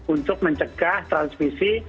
untuk mencegah transmisi